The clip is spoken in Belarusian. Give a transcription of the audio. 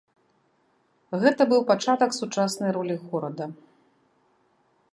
Гэта быў пачатак сучаснай ролі горада.